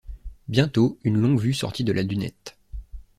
Bientôt une longue-vue sortit de la dunette